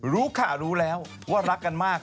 รู้ค่ะรู้แล้วว่ารักกันมาก